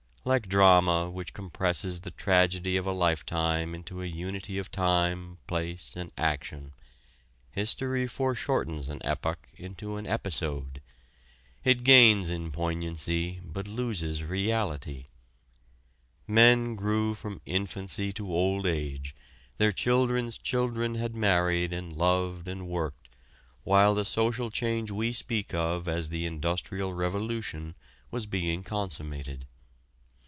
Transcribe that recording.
Like drama which compresses the tragedy of a lifetime into a unity of time, place, and action, history foreshortens an epoch into an episode. It gains in poignancy, but loses reality. Men grew from infancy to old age, their children's children had married and loved and worked while the social change we speak of as the industrial revolution was being consummated.